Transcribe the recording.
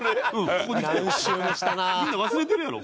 みんな忘れてるやろ？